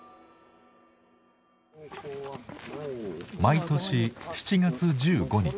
毎年７月１５日。